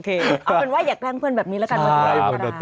เอาเป็นว่าอย่าแกล้งเพื่อนแบบนี้ละกัน